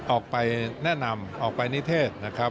ออกไปแนะนำออกไปนิเทศ